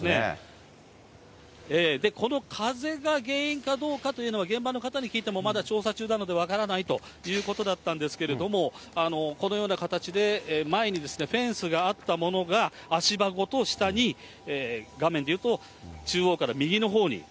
この風が原因かどうかというのは、現場の方に聞いても、まだ調査中なので分からないということだったんですけれども、このような形で前にフェンスがあったものが、足場ごと下に画面でいうと、中央から右のほうに。